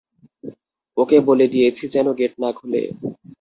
ওকে বলে দিয়েছি যেন গেট না খোলে।